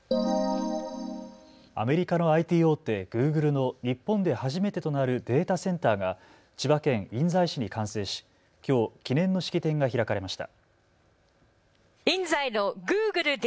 アメリカのＩＴ大手、グーグルの日本で初めてとなるデータセンターが千葉県印西市に完成しきょう記念の式典が開かれました。